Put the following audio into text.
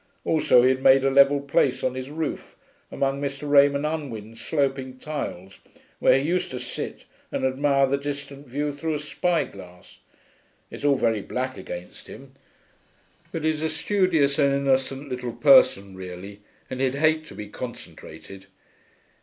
Also he had made a level place on his roof, among Mr. Raymond Unwin's sloping tiles, where he used to sit and admire the distant view through a spyglass. It's all very black against him, but he's a studious and innocent little person really, and he'd hate to be concentrated.'